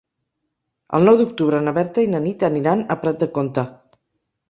El nou d'octubre na Berta i na Nit aniran a Prat de Comte.